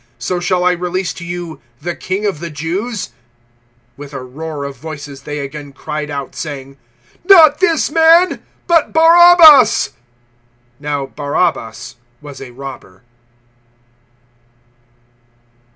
So shall I release to you the King of the Jews?" 018:040 With a roar of voices they again cried out, saying, "Not this man, but Barabbas!" Now Barabbas was a robber.